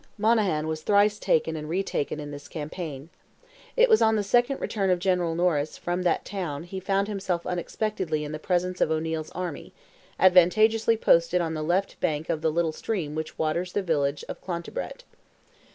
Monaghan was thrice taken and retaken in this campaign. It was on the second return of General Norris from that town he found himself unexpectedly in presence of O'Neil's army, advantageously posted on the left bank of the little stream which waters the village of Clontibret.